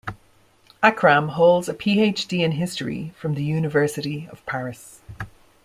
Akram holds a PhD in history from the University of Paris.